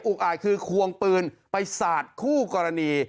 อาจคือควงปืนไปสาดคู่กรณี